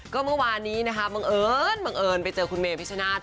ก็เมื่อวานี้นะคะบังเอิญไปเจอคุณเมย์พิชชนาธิ์